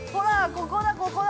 ここだ、ここだ。